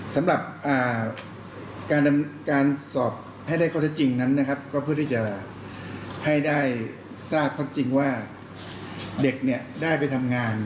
สำหรับการสอบให้ได้ข้อเท็จจริงนั้นนะครับก็เพื่อที่จะให้ได้ทราบข้อจริงว่าเด็กเนี่ยได้ไปทำงาน